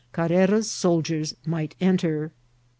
Carrera's soldiers might enter.